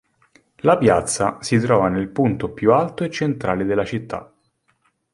La piazza si trova nel punto più alto e centrale della città.